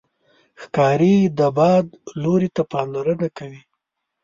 ښکاري د باد لوري ته پاملرنه کوي.